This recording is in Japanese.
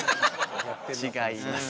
違います。